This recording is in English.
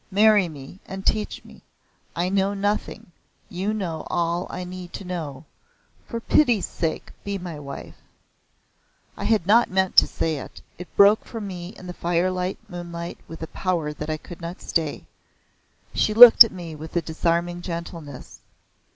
Marry me, and teach me. I know nothing. You know all I need to know. For pity's sake be my wife." I had not meant to say it; it broke from me in the firelight moonlight with a power that I could not stay. She looked at me with a disarming gentleness.